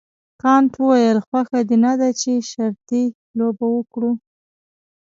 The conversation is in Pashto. کانت وویل خوښه دې نه ده چې شرطي لوبه وکړو.